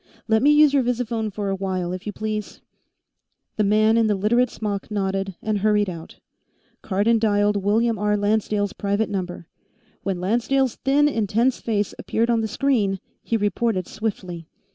Let me use your visiphone for a while, if you please." The man in the Literate smock nodded and hurried out. Cardon dialed William R. Lancedale's private number. When Lancedale's thin, intense face appeared on the screen, he reported swiftly.